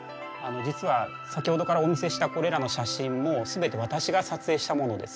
実は先ほどからお見せしたこれらの写真も全て私が撮影したものです。